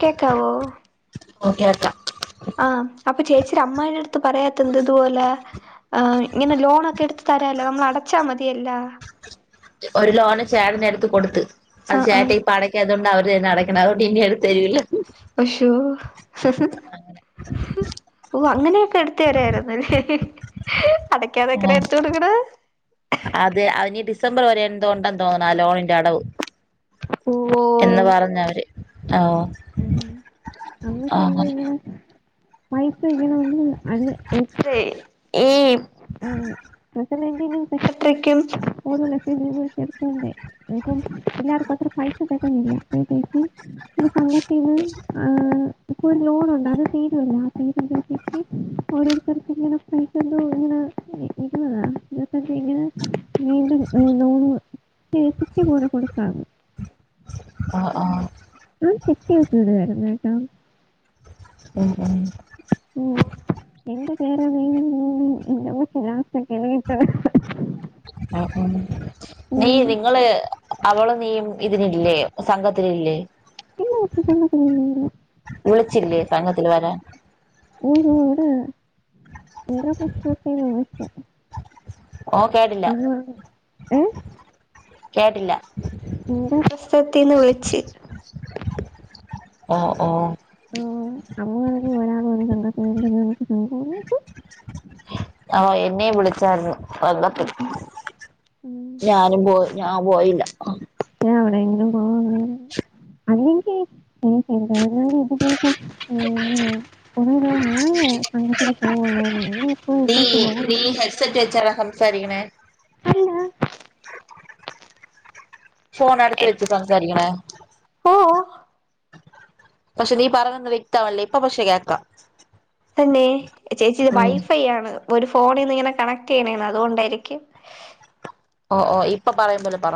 കേക്കാവോ ഓ കേൾക്കാം പ്പ ചേച്ചിടെ അമ്മായിടട്ത്ത് പറയാത്തെന്ത്‌ തുപോലെ ആ ങ്ങനെ ലോണൊക്കെട്ത്ത് തരാല്ലോ നമ്മളടച്ചാ മതിയല്ലാ ഒരു ലോണ് ചേട്ടനെട്ത്ത് കൊടുത്ത് അത് ആഹ് ചേട്ട ആഹ് ഇപ്പ അടയ്ക്കാത്തോണ്ട് അവര് തെന്നെ അടയ്ക്കണം അഹ് [unintelligible] പശോ ഓ അങ്ങനെയൊക്കെ എട്ത്തെരായിര്ന്നു ലെ അടയ്ക്കാതെങ്ങനെ എട്ത്തൊട്ക്ക്ണ്. അതെ അതിനി ഡിസംബർ വരെ എന്തോണ്ടെന്ന് തോന്ന്ണാ ലോണിന്റെ അടവ് ഓ എന്ന് പറഞ്ഞവര് ഓ ഉം അമ്മയ്ക്ക് എന്തോ അങ്ങനെ ഇങ്ങനെ പൈസങ്ങന ഒന്നും അന്ന് എത്രെ ഈ ഉം [unintelligible] തിനും [unintelligible] ത്രയ്ക്കും ഓരോ ലക്ഷം രൂപ [unintelligible] [unintelligible] പിന്നാർക്കു അത്ര പൈസ [unintelligible] [unintelligible] സംഘത്തിന് ഇപ്പോ രു ലോണ് ണ്ട് അത് തീരല്ലോ ആ തീരുമ്പോയത്തേക്ക് ഓരോരുത്തർക്കിങ്ങനെ പൈസണ്ടോ ങ്ങനെ ഇ ഇര്ക്കുന്നതാ [unintelligible] ഇങ്ങനെ വീണ്ടും നോന് [unintelligible] പോലെ കൊടുക്കാം ആ ആ ഉം ഞാൻ ചിട്ടി [unintelligible] തായിര്ന്ന് ട്ടോ ഉം ഉം ഉം എന്റെ പേര [unintelligible] [unintelligible] [unintelligible] ല്ലാ വെക്കല്ലി ട്ടോ ഉം ഉം നീ നിങ്ങള് അവളും നീയും ഇതിലില്ലേ സംഘത്തിലില്ലേ എന്റെ പക്ഷെ സമയത്ത് വിളിച്ചില്ലേ സംഘത്തില് വരാൻ ഊ ഊടാ [unintelligible] [unintelligible] ഓ കേട്ടില്ല ആഹ് എഹ് കേട്ടില്ല ന്റെ പ്രസവത്തിന്ന് വിളിച്ച് ഓ ഓഹ് ആ അമ്മ [unintelligible] എന്താ ചെയ്യണ്ട്യത് ന്ന് [unintelligible] ആഹ് എന്നെയും വിളിച്ചായിരുന്നു വന്നപ്പെ ഞാനും പോയി ഞാൻ പോയില്ല ഞാ എവ്ടെങ്കിലും പോവാണ് ന്ന് അല്ലെങ്കി [unintelligible] വേറാരും ഇതുപോല്ത്ത [unintelligible] കുറെ നാളായി സങ്കത്തിൽ പോവൂല ഇനിപ്പോ പ്രത്യേകിച്ച് ലോൺ [unintelligible] സരിക്ക്ണേ പിന്ന ഫോണടുത്ത് വെച്ച് സംസാരിക്കണേ ഓ പക്ഷെ നീ പറവെന്ന വെക്താവണ്ല്ല ഇപ്പ പക്ഷെ കേക്കാ. തന്നെ ചേച്ചിത് വൈഫൈ ആണ് ഒരു ഫോണിന്ന് ങ്ങനെ കണക്ട്യ്യണെന്ന് അതോണ്ടെയിരിക്കും ഓ ഓ ഇപ്പൊ പറയും പോലെ പറ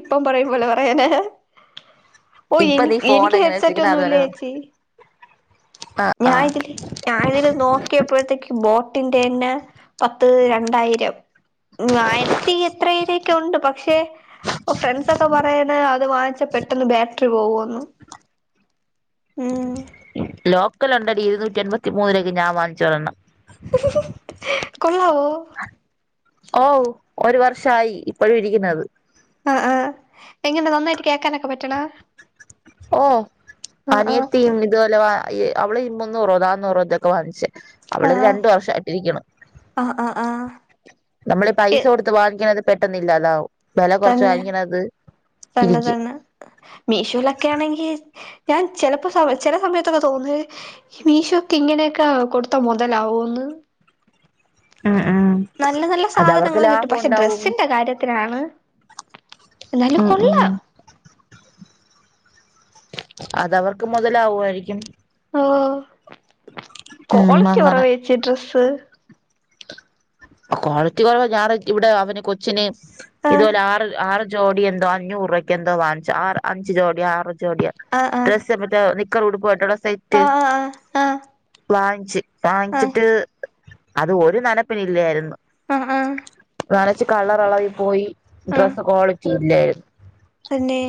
ഇപ്പം പറയും പോലെ പറയാനൊ ഓ ഇപ്പൊ എനി നീ ഫോൺ എനിക്ക് എങ്ങനെ വെച്ചിരിക്കണ ഹെഡ്സെറ്റൊന്നും അതുപോലെ ല്ലേ പറ ച്ചി ആ ആ ഞാ ഇതില് ഞാ തില് നോക്കിയപ്പോഴത്തേക്ക് ബോട്ടിന്റെ ണ് പത്ത് രണ്ടായിരം ആയിരത്തി എത്രായിരൊക്കെ ണ്ട് പക്ഷെ ഫ്രണ്ട്സൊക്കെ പറയ്ണ് അത് വാങ്ങിച്ച പെട്ടന്ന് ബാറ്ററി പോവു ന്ന് ഉം ലോക്കൽ ഉണ്ടടി ഇരുന്നൂറ്റി എൺപത്തി മൂന്ന് രൂപക്ക് ഞാൻ വാങ്ങിച്ചു ഒരണം കൊള്ളാവോ ഓ ഒരു വർഷയി ഇപ്പോഴും ഇരിക്കുന്നത് ആഹ് ആഹ് എങ്ങനാ നന്നായിട്ട് കേക്കാനൊക്കെ പറ്റണ ഓ ആഹ് ആഹ് അനിയത്തീ ഇതുപോലെ അവള് മൂന്നൂറോ നന്നൂറോതൊക്കെ വാങ്ങിച്ച് അവളത് ആഹ് രണ്ടു വർഷആട്ടിരിക്കാണ് ആഹ് ആഹ് ആഹ് നമ്മളെ പൈസ കൊടുത്ത് വാങ്ങിക്കണത് പെട്ടെന്നില്ലതാകും തന്നെ തന്നെ ഇരിക്കും തന്നെ മീഷോലൊക്കെ ആണെങ്കിൽ ഞാൻ ചിലപ്പോ സമ ചില സമയത്തൊക്കെ തോന്നുന്നത് മീഷോക്ക് ഇങ്ങനെയൊക്കെ കൊടുത്ത മുതലാവോന്ന് ആഹ് ആഹ് നല്ല നല്ല അതവർക്ക് സാധനങ്ങള് കിട്ടും ലാഭം പക്ഷെ ഉണ്ടാവും ഡ്രെസ്സിന്റെ കാര്യത്തിലാണ് എന്നാലും ഉം ഉം കൊള്ളാം അതവർക്ക് മുതലാവുവായിരിക്കും ഓ ഉം ക്വാളിറ്റി അങ്ങനെ കൊറവാച്ചി ഡ്രസ്സ് ക്വാളിറ്റി കൊറവ ഞറ് ഇവിടെ അവന് കൊച്ചിന് ആഹ് ഇതുപോലെ ആറ് ആറ് ജോഡിയ എന്തോ അഞ്ഞൂറ് രൂപയ്ക്ക് എന്തോ വാങ്ങിച്ചു ആറ് അഞ്ചു ജോടിയ ആറു ജോടിയ ആഹ് ഡ്രസ്സ് മറ്റേ നിക്ക് - നിക്കറും ഉടുപ്പായിട്ടുള്ള സൈറ്റ് ആഹ് ആഹ് ആഹ് വാങ്ങിച്ച് ആഹ് വാങ്ങിച്ചിട്ട് അത് ഒരു നനപ്പിനില്ലേര്ന്നു. ആഹ് ആഹ് [unintelligible] ച്ച് കളറെളകി പോയി ഡ്രസ്സ് ക്വാളിറ്റി ഇല്ലേര്ന്നു. തെന്നെ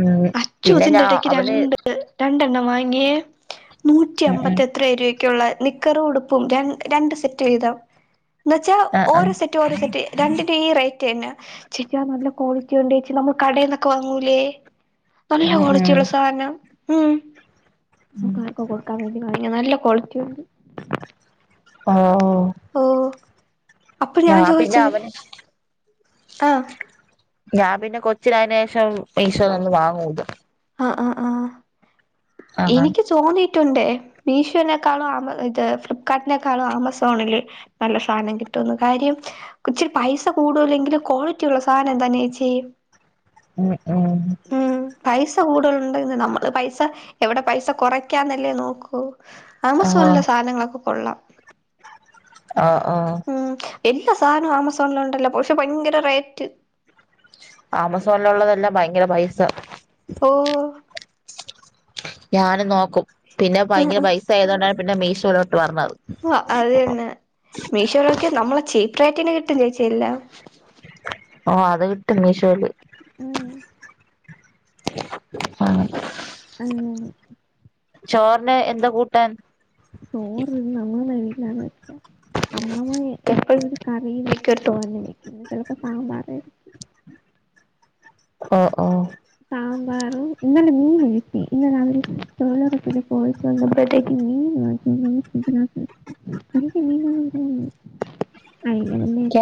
ഉം പിന്നെ ഞാ അച്ചുതിന്റെ ടക്ക് അവന് രണ്ട് രണ്ടെണ്ണം വാങ്ങ്യേ നൂറ്റി ഉം ഉം അമ്പത്തി എത്ര രൂവക്ക്യുള്ളെ നിക്കറും ഉടുപ്പും രൺ രണ്ട് സെറ്റ് വീതം ന്നെച്ചാ ആഹ് ഓരോ ആഹ് സെറ്റ് ഓരോ സെറ്റ് രണ്ടിൻ്റീ റെയ് റ്റെന്നെ ചേച്ചി ആ നല്ല ക്വാളിറ്റിയുണ്ടേച്ചി നമ്മൾ കടേന്നൊക്കെ വാങ്ങൂലേ നല്ല ഉം ക്വാളിറ്റിയുള്ള സാധനം ഉം ഉം നമുക്കാർക്കൊക്കൊടുക്കാം വേ അയ്ന് നല്ല ക്വാളിറ്റിയുണ്ട്. ഓഹ് ഓ അപ്പൊ ഞാൻ പിന്നെ ചോയിച്ചത് അവന് ആഹ് ഞാൻ പിന്നെ കൊച്ചീലായേനു ശേഷം ഈശോ ഒന്ന് വാങ്ങൂത് ആഹ് ആഹ് ആ അങ്ങനെ എനിക്ക് തോന്നി- ട്ടുണ്ട് മീഷോനെക്കാളും ഇത് ഫ്ലിപ്കാർട്ടിനെക്കാളും ആമസോണില് നല്ല സാധനം കിട്ടും. ട്ടുന്ന് കാര്യം ഇച്ചിരി പൈസ കൂടൂല്ലെങ്കിലും ക്വാളിറ്റി ഒള്ള സാധനം തന്നേച്ചി. ഉം ഉം പ കൂടുതല് ഉണ്ടന്ന് നമ്മള് പൈസ എവിടെ പൈസ കുറയ്ക്കാന്നല്ലേ നോക്കു. ആഹ് ആമസോണില് സാധനങ്ങളൊക്കെ കൊള്ളാം. ആഹ് ഓ ഇല്ല സാധനം ആമസോണില് ഒണ്ടല്ലോ പക്ഷെ ഭയങ്കര റേറ്റ് ആമസോണിലൊള്ളതെല്ലാം ഭയങ്കര പൈസ. ഓ ഞാൻ നോക്കും പിന്നെ ഭയങ്കര പൈസ ആയത് കൊണ്ടാണ് പിന്നെ മീഷോല് ആ അത് തന്നെ മീഷോലോക്കെ നമ്മളെ ചീപ്റേറ്റിന് കിട്ടും ചേച്ചിയെല്ലാം ഓ അത് കിട്ടും മീഷോല് ഉം ആഹ് ആഹ് ചോറിന് എന്താ കൂട്ടാൻ ചോറിന്ന് അമ്മമ്മടെ വീട്ടിലാണ് വെച്ച അമ്മമ്മ കേ എപ്പോഴും ഒരു കറി വെ ക്കും ഒരു തോരനും വെക്കും ചിലപ്പോ സാമ്പാറായിരിക്കും ഓ ഓ സാമ്പാറും ഇന്നലെ മീൻ മേടിച്ച് ഇന്ന് രാവിലെ ഇന്നലെ ഇവരെ പോയിട്ട് വന്നപ്പഴ്ത്തേക്കും മീൻ മേടിച്കൊണ്ട് വന്ന് ഫ്രജിനാത് വെച്ച് അവിടേക്ക് മീൻ വല്ലോം കിട്ടാറുണ്ടോ കേ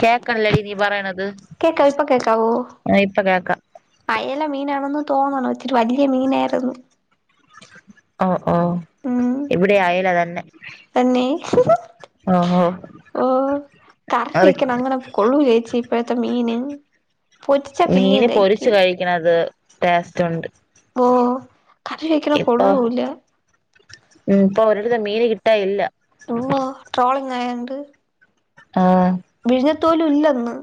കേക്കണില്ലടി നീ പറയണത് കേക്കാവോ ഇപ്പൊ കേക്കാവോ ആഹ് ഇപ്പ കേക്കാം അയല മീനാണെന്ന് തോന്നണു. ഇച്ചിരി വല്യ മീനായിര്ന്നു. ഒഹ് ഒഹ് ഇവിടെ അയല ത തന്നെ. ഓഹോ ഓഹ് കറി അത് വെക്കാന് അങ്ങനെ കൊള്ളൂലേച്ചി ഇപ്പഴത്തെ മീന്. പൊരിച്ചാ പിന്നെയും മീന് പൊരിച്ച് കഴിക്കും കഴിക്കണത് ടേസ്റ്റ് ഉണ്ട്. ഓഹ് കറി വെക്കണ ഇപ്പൊ കൊള്ളൂല. ഉം ഇപ്പൊ ഒരിടത്തും മീന് കിട്ടാ ഇല്ല. മ്മോ ട്രോളിംഗ് ആയാണ്ട്. ആഹ്. തോലുല്ലന്ന്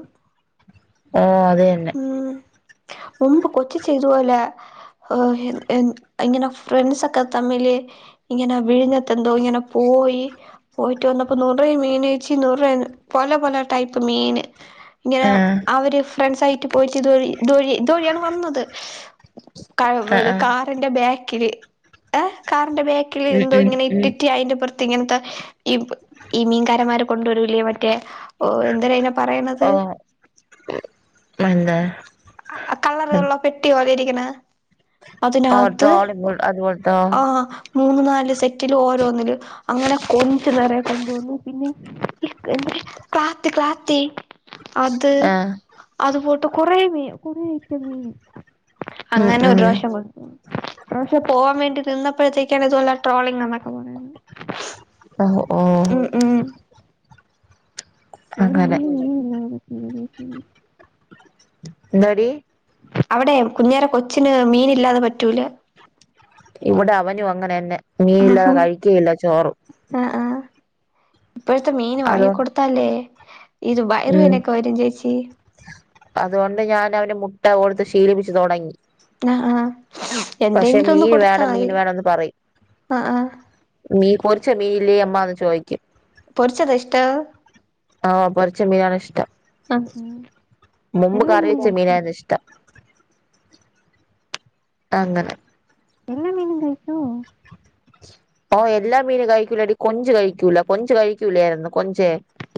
ആഹ് അത് തന്നെ. മുമ്പ് കൊച്ചിച്ചെ ഇതുപോലെ ഇങ്ങനെ ഫ്രണ്ട്സൊക്കെ തമ്മില് ഇങ്ങനെ വിഴിഞ്ഞെത്തെന്തോ ഇങ്ങനെ പോ പോയി. പോയിട്ട് വന്നപ്പോ നുറയെ മീനേച്ചി നൂറേ പല പല ടൈപ്പ് മീന്. ഇങ്ങനെ ആഹ് അവര് ഫ്രണ്ട്സ് ആയിട്ട് പോയിട്ട് ഇതുവഴി ഇതുവഴി ഓ ഇയാള് വന്നത് ആഹ് ആഹ് കാറിന്റെ ബാക്കില് [unintelligible] ബാക്കിൽ ഉം എന്തോ ഉം ഇങ്ങനെ ഉം ഇട്ടിറ്റി അതിൻന്റെ പുറ [unintelligible] [unintelligible] കള്ളറള്ള പെട്ടി പോലെ ഇരിക്കണ ഓ അതിനകത്ത് ട്രോളി ഒ അതുപോലത്തോ ആഹ മൂന്ന് നാല് സെറ്റില് ഓരോന്നില് അങ്ങനെ കൊഞ്ചി നിറയെ കൊണ്ടുവന്നു. ഇനി ഇരിക്കണ് [unintelligible] അത് ആഹ് അത് പോയിട്ട് കുറേ മീ കുറെ ചെമ്മീൻ മീൻ ഉം അങ്ങനെ ഒരു ഉം പ്രാവശ്യം ഇപ്രാവശ്യം പോവാൻ വേണ്ടി നിന്നപ്പോഴത്തേക്കാണ് നിന്ന് പുറത്തേക്ക് ട്രോളിങ് എന്നൊക്കെ പറയുന്നത് ഓ ഉം ഉം ഓ അങ്ങനെ [inaudible] ന്താടി അവിടെ കുഞ്ഞേറെ കൊച്ചിന് മീൻ ഇല്ലാതെ പറ്റൂല ഇവിടെ അവനും അങ്ങനെന്നെ മീൻ ഇല്ലാതെ ആഹ് കഴിക്കുകയില്ല ചോറ് ആഹ് ഇപ്പോഴത്തെ മീൻ അതോ വാങ്ങി കൊൊടുത്തല്ലേ ഇത് ഉം വയറുവേനൊക്കെ വരും ചേച്ചി അതുകൊണ്ട് ഞാൻ അവന്റെ മുട്ട കൊടുത്ത് ശീലിപ്പിച്ചച്ച് തുടങ്ങി ആഹാ പക്ഷെ മീൻ വേണം മീന് വേണംന്ന് പറയും ആഹ് ആഹ് മീൻ കോച്ച് മീൻ ഇല്ല അമ്മ ചോദിച്ച പൊറിച്ചതാ ഇഷ്ട ആഹ പൊറിച്ച മീനാണ് ഇഷ്ടം ആഹ് മുമ്പ് എല്ലാ മീനും കറിവെച്ച കഴിക്കോ മീനായിരുന്നു ഇഷ്ടം അങ്ങനെ എല്ലാ മീനും കഴിക്കേ ഓ എല്ലാ മീനും കഴിക്കൂല അടി കൊഞ്ചു കഴിക്കൂല കൊഞ്ചു കഴിക്കൂലായിരുന്നു കൊഞ്ച്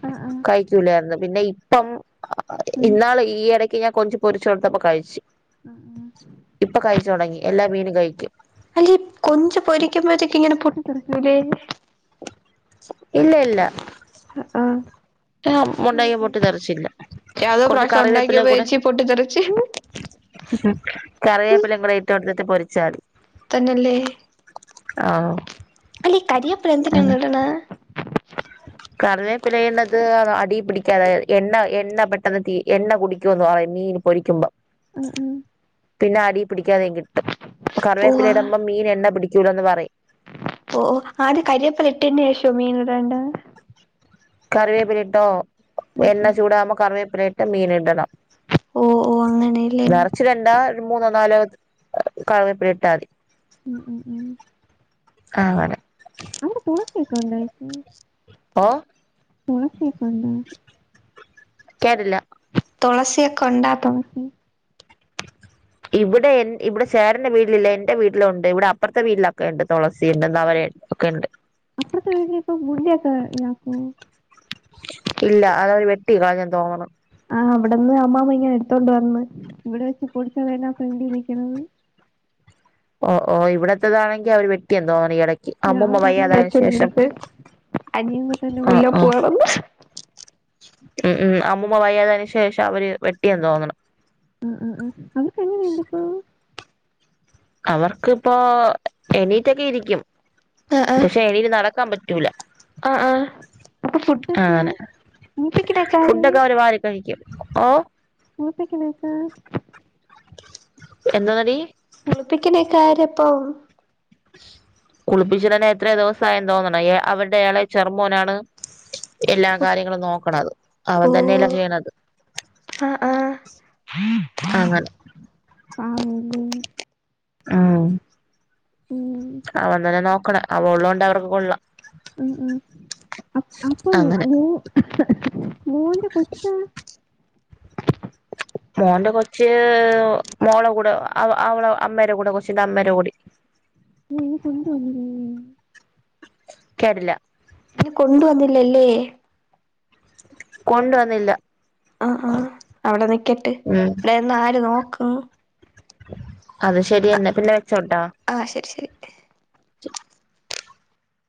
ആഹ് ആഹ് കഴിക്കൂലായിരുന്നു പിന്നെ ഇപ്പം ഇന്നാള് ഈ ഇടക്ക് ഞൻ കൊഞ്ച് പൊരിച്ച് കൊടുത്തപ്പ കയ്ച്ച് ഇപ്പ കയ്ച്ച് തൊടങ്ങി എല്ലാ മീനും കഴിക്കും അല്ല കൊഞ്ച് പൊരിക്കുമ്പോഴത്തേക്ക ഇങ്ങനെ പൊട്ടി തെറിക്കുലെ ഇല്ല ഇല്ല ആഹ [unintelligible] പൊട്ടിത്തെറിച്ചില്ല യാതോ കുറച്ചു പ്രാവശ്യം കറിവേപ്പില ഉണ്ടാക്കിയപ്പോ കൂടേ ചേച്ചി പൊട്ടിത്തെറിച്ച് കറിവേപ്പില കൂടെ ഇട്ട എടുത്തിട്ട് പൊരിച്ചാൽ തന്നെയല്ലേ ആഹ അല്ലീ കരിവേപ്പില എന്ത്ന ഹ്ട്ണ് കറിവേപ്പില ഇടണത് അടി പിടികതെ എണ്ണ എണ്ണ പെട്ടെന്ന് തീ എണ്ണ കുടിക്കുമന്ന് പറയും മീൻ പൊരിക്കുമ്പോ ആആ പിന്നെ അടി പിടിക്കാതെ കിട്ടും കറവേപ്പിലിടുമ്പോ മീൻ എണ്ണ പിടിക്കൂലൂ എന്ന് പറയും ഓ ആദ്യ കരിയപ്പല ഇട്ടന് ശേഷോ മീൻ ഇടണ്ട് കറിവേപ്പിലിട്ടോ എണ്ണ ഉം ചൂടമോ കറിവേപ്പിലിട്ടോ മീൻ ഇടണം ഓഹ് ഓഹ് അങ്ങനെല്ലേ ഉം നറച് ഇടണ്ട മൂന്നോ നാലോ കറിവേപ്പില ഇട്ടാൽ മതി ഉം ഉം അങ്ങനെ [unintelligible] ഓ [unintelligible] കേരള തുളസിയൊക്കെ ഉണ്ടാ [unintelligible] ഇവിടെ ഇവിടെ സറിന്റെ വീട്ടിലില്ല എന്റെ വീട്ടിലുണ്ട് ഇവിടെ അപ്പുറത്തെ വീട്ടിലൊക്കെ ഉണ്ട് തുളസി [inaudible] ഒക്കെഉണ്ട് ഇത്ത ഇലാക്കോ ഇല്ല അതത് വെട്ടി കളഞ്ഞൻ തോന്നണ് ആ അവിടെന്ന് അമാമ്മ ഇങ്ങനെ എടുത്തോണ്ട് വന്ന് ഇവിടെ വെച്ചച്ച് പടിച്ചതന്നാ ഫ്രണ്ടിൽ നിക്കണത് [unintelligible] ഓ ഓ ഇവിടത്തതാണെങ്കി അവര് വെട്ടിയെന്ന് തോന്നാണ് ഈ ഇടക്ക് ഞാൻ അമ്മൂമ്മ പറഞ്ഞ് വയ്യാതായതിനന് ശേഷം അച്ഛന്റെടുത്ത് അനിയൻ കുട്ടൻ ആ മുല്ലപൂ ആ വേണോന്ന് ഉം ഉം അമ്മൂമ്മ വയ്യാതു ശേഷം അവര് വെട്ടിയന്ന് തോന്നണ് ആ ഉ ഉ അവർക്ക് എങ്ങനെയുണ്ട് ഇപ്പോ അവർക്ക് ഇപ്പോ എണീറ്റൊക്കെ ഇരിക്കും ആഹ് ആഹ് പക്ഷെ എണീറ്റ് നടക്കാൻ പറ്റും ആഹ് ആഹ് അപ്പൊ ഫുഡൊക്കെ ആണ് കുളിപ്പിക്കണൊക്കെ ആര് ഫുഡൊക്കെ അവര് വാരി കഴിക്കും ഓ കുളിപ്പിക്കണൊക്കെ എന്താെന്നടി കുളിപ്പിക്കണേക്കാ ആരഅപ്പോം കുളിപ്പിച്ചട്ടന്നെ എത്രയ ദിവസയി എന്ന് തോന്നണ് അവരുടെഎളയ ചെറമോനാണ് എല്ലാ കാര്യങ്ങളും നോക്കണത് അവൻ തന്നെല്ല ഓഹ് ചെയ്യണത് ആഹ് ആഹ് അങ്ങല്ല പാവല്ലേ ഉ ഉം അവൻ തന്നെ നോക്കണ അവൻ ഉള്ളോണ്ട് അവർക്ക് കൊള്ളാം മ് മ്മ് അ അപ്പൊ അങ്ങനെ മോ മോന്റെ കൊച്ച മോന്റെ കൊച്ച് മോള കൂടെ ആള അമ്മേകുടെ കൊച്ചിന്റെ അമ്മേട കൂടി ഇ ഇ ഇനി കൊണ്ട വന്ന കേട്ടില്ല പിന്നെ കൊണ്ട് വന്നില്ലല്ലേ കൊണ്ട് വന്നില്ല ആഹ ആഹ അവിടെ നിക്കട്ടെ ഉം ഇവിടെന്ന് ആര് നോക്കും അത് ശരിയെന്നെ പിന്നെ വെച്ചോട്ടാ ആഹ് [inaudible] [inaudible]